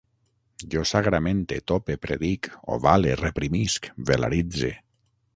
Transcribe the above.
Jo sagramente, tope, predic, ovale, reprimisc, velaritze